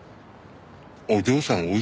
お嬢さん